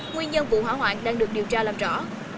nguyên nhân vụ hỏa hoạn đang được điều tra làm rõ